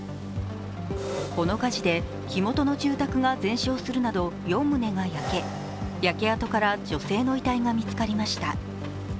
この火事で火元の住宅が全焼するなど４棟が焼け焼け跡から女性の遺体が見つかりました。